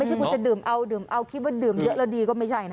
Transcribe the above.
ที่คุณจะดื่มเอาดื่มเอาคิดว่าดื่มเยอะแล้วดีก็ไม่ใช่นะ